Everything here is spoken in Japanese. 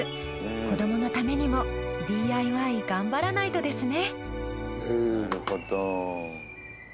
子どものためにもＤＩＹ頑張らないとですね。